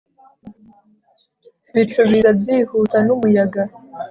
bicu biza byihuta n'umuyaga